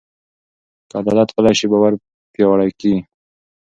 که عدالت پلی شي، باور پیاوړی کېږي.